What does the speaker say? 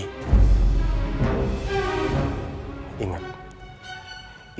bilang dia jangan hubungi kamu lagi